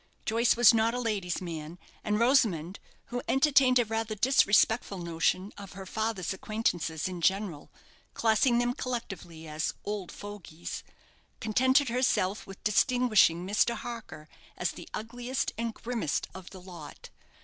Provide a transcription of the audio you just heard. Joyce was not a lady's man, and Rosamond, who entertained a rather disrespectful notion of her father's acquaintances in general, classing them collectively as "old fogies," contented herself with distinguishing Mr. Harker as the ugliest and grimmest of the lot.